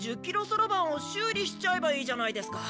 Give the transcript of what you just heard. そろばんを修理しちゃえばいいじゃないですか。